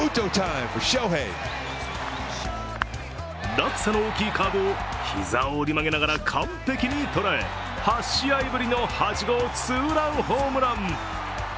落差の大きいカーブを、膝を折り曲げながら完璧に捉え、８試合ぶりの８号ツーランホームラン。